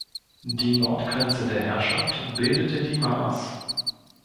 Die Nordgrenze der Herrschaft bildete die Maas.